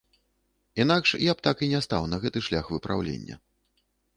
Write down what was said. Інакш я б так і не стаў на гэты шлях выпраўлення.